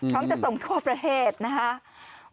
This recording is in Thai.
พร้อมจะส่งทั่วประเทศนะคะ